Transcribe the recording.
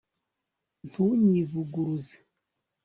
ntunyivuguruze